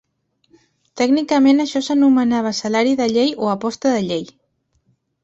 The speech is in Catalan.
Tècnicament això s'anomenava "salari de llei" o "aposta de llei".